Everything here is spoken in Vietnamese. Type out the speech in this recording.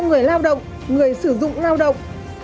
người lao động người sử dụng lao động